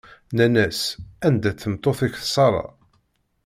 Nnan-as: Anda-tt tmeṭṭut-ik Ṣara?